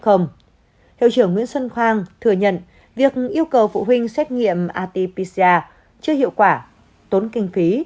hiệu trưởng nguyễn xuân khang thừa nhận việc yêu cầu phụ huynh xét nghiệm atpca chưa hiệu quả tốn kinh phí